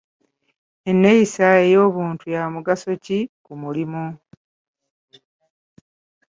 Enneeyisa ey'obuntu ya mugaso ki ku mulimu?